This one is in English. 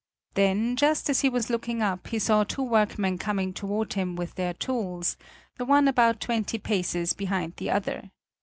Then, just as he was looking up, he saw two workmen coming toward him with their tools, the one about twenty paces behind the other.